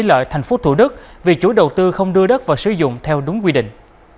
lợi thành phố thủ đức vì chủ đầu tư không đưa đất vào sử dụng theo đúng quy định